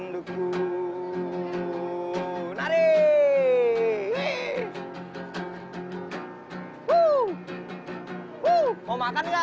bagus banget suaranya